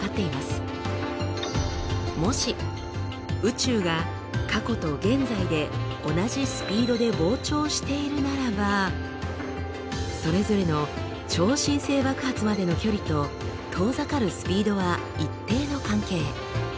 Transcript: もし宇宙が過去と現在で同じスピードで膨張しているならばそれぞれの超新星爆発までの距離と遠ざかるスピードは一定の関係。